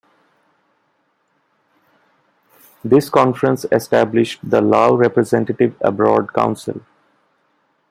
This conference established the Lao Representative Abroad Council.